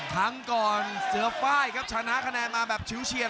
ครั้งก่อนเสือไฟล์ครับชนะคะแนนมาแบบชิวเฉียด